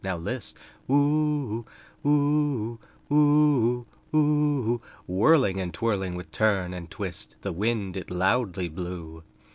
Now list! Woo oo, woo oo, woo oo, woo oo Whirling and twirling, with turn and twist, The wind it loudly blew.